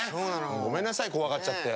ごめんなさい怖がっちゃって。